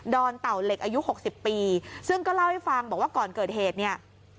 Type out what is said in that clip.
อนเต่าเหล็กอายุหกสิบปีซึ่งก็เล่าให้ฟังบอกว่าก่อนเกิดเหตุเนี่ย